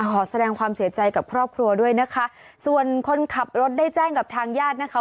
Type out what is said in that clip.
ขอแสดงความเสียใจกับครอบครัวด้วยนะคะส่วนคนขับรถได้แจ้งกับทางญาตินะคะ